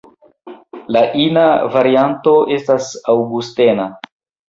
La ina varianto estas Aŭgustena.